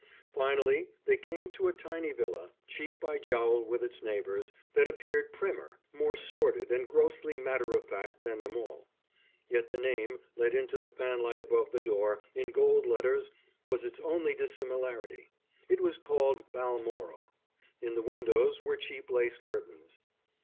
Finally they came to a tiny villa, cheek by jowl with its neighbours, that appeared primmer, more sordid and grossly matter of fact than them all. Yet the name, let into the fanlight above the door, in gold letters, was its only dissimilarity. It was called Balmoral. In the windows were cheap lace curtains.